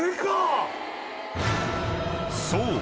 ［そう。